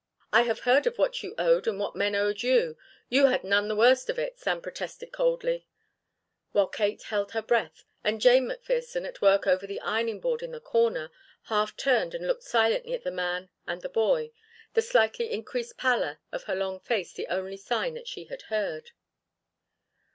"I have heard of what you owed and what men owed you; you had none the worst of it," Sam protested coldly, while Kate held her breath and Jane McPherson, at work over the ironing board in the corner, half turned and looked silently at the man and the boy, the slightly increased pallor of her long face the only sign that she had heard.